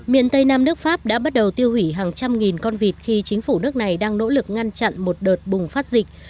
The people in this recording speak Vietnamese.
miền tây nam nước pháp đã bắt đầu tiêu hủy hàng trăm nghìn con vịt khi chính phủ nước này đang nỗ lực ngăn chặn một đợt bùng phát dịch